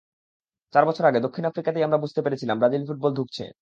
চার বছর আগে দক্ষিণ আফ্রিকাতেই আমরা বুঝতে পেরেছিলাম ব্রাজিল ফুটবল ধুঁকছে।